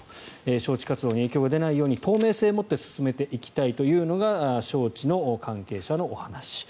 招致活動に影響が出ないように透明性を持って進めていきたいというのが招致の関係者のお話。